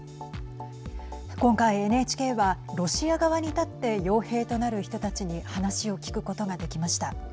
今回、ＮＨＫはロシア側に立って、よう兵となる人たちに話を聞くことができました。